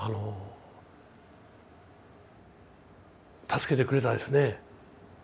助けてくれたですね。